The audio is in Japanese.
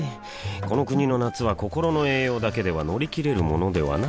この国の夏は心の栄養だけでは乗り切れるものではない